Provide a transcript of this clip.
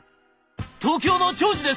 「東京の長司です！